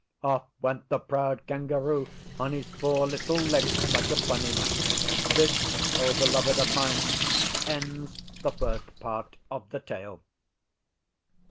Off went the proud Kangaroo on his four little legs like a bunny. This, O Beloved of mine, ends the first part of the tale!